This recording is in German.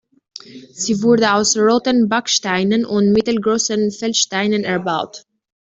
Sie wurde aus roten Backsteinen und mittelgroßen Feldsteinen erbaut.